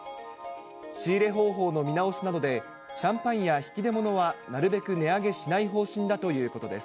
仕入れ方法の見直しなどで、シャンパンや引き出物はなるべく値上げしない方針だということです。